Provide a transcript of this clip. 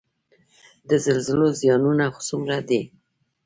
د زلزلو زیانونه څومره دي؟